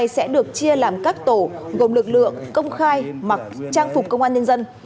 sẽ được chia làm các tổ gồm lực lượng công khai mặc trang phục công an nhân dân